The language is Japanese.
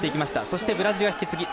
そしてブラジルが引き継ぎ。